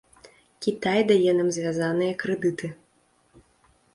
Кітай дае нам звязаныя крэдыты.